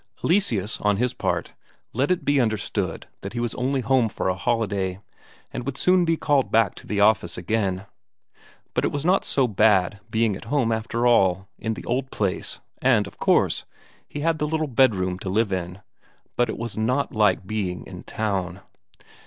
Eleseus, on his part, let it be understood that he was only home for a holiday, and would soon be called back to the office again. But it was not so bad being at home after all, in the old place, and, of course, he had the little bedroom to live in. But it was not like being in town!